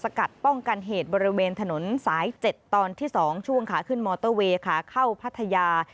กัดป้องกันเหตุบริเวณถนนสาย๗ตอนที่๒ช่วงขาขึ้นมอเตอร์เวย์ขาเข้าพัทยา